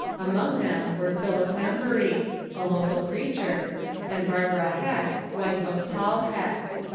Among them were Philip Embury, a local preacher, and Bar bara Heck, wife of Paul Heck.